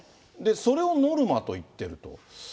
それをノルマと言ってると。